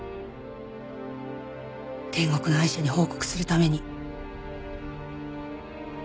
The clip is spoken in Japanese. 天国のアイシャに報告するために。